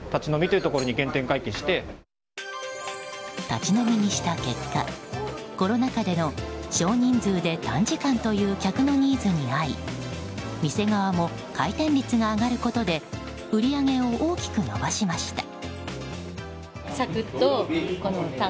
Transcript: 立ち飲みにした結果コロナ禍での少人数で短時間という客のニーズに合い店側も回転率が上がることで売り上げを大きく伸ばしました。